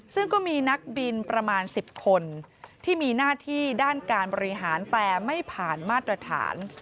ซึ่งก็มีนักบินประมาณ๑๐คนที่มีหน้าที่ด้านการบริหารแต่ไม่ผ่านมาตรฐาน